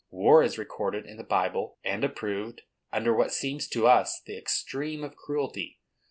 War is recorded in the Bible, and approved, under what seems to us the extreme of cruelty.